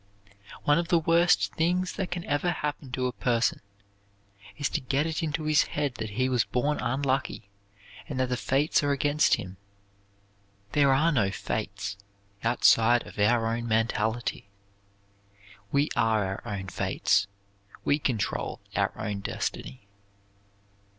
One of the worst things that can ever happen to a person is to get it into his head that he was born unlucky and that the Fates are against him. There are no Fates, outside of our own mentality. We are our own Fates. We control our own destiny.